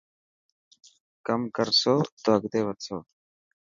ڪم ڪرسو ته اڳتي وڌسو.